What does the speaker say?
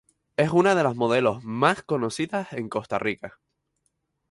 Es una de las modelos más conocidas en Costa Rica.